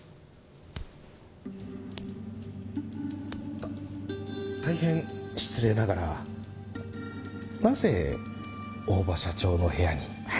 た大変失礼ながらなぜ大庭社長の部屋に？